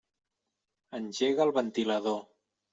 Engega el ventilador.